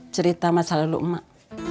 cerita masa lalu emak